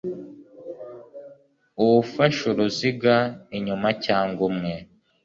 Uwufashe uruziga inyuma cyangwa umwe